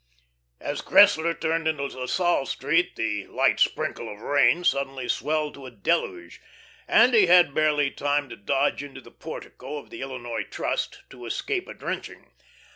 As Cressler turned into La Salle Street the light sprinkle of rain suddenly swelled to a deluge, and he had barely time to dodge into the portico of the Illinois Trust to escape a drenching.